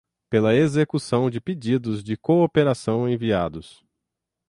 pela execução de pedidos de cooperação enviados